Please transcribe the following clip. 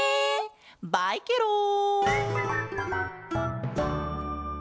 バイケロン！